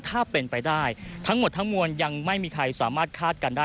ถ้าเป็นไปได้ทั้งหมดทั้งมวลยังไม่มีใครสามารถคาดกันได้